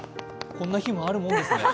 こんな日もあるもんですね。